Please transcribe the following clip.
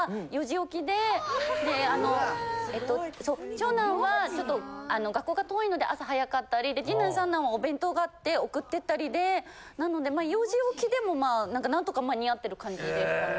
長男はちょっと学校が遠いので朝早かったり次男三男はお弁当があって送ってったりでなのでまあ４時起きでも何とか間に合ってる感じですかね。